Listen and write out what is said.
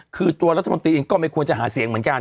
คือตัวรัฐมนตรีเองก็ไม่ควรจะหาเสียงเหมือนกัน